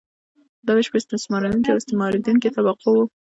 دا ویش په استثمارونکې او استثماریدونکې طبقو وو.